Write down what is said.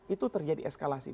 itu terjadi eskalasi